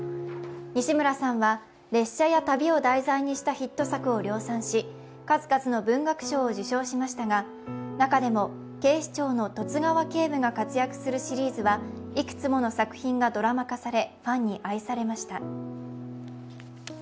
西村さんは、列車や旅を題材にしたヒット作を量産し数々の文学賞を受賞しましたが、中でも警視庁の十津川警部が活躍するシリーズは、いくつもの作品がドラマ化されファンに愛されました。